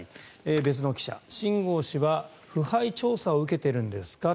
別の記者、秦剛氏は腐敗調査を受けてるんですか？